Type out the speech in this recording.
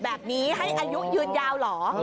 แบบนี้ให้อายุยืนยาวเหรอ